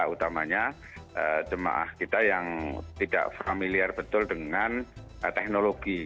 utamanya jemaah kita yang tidak familiar betul dengan teknologi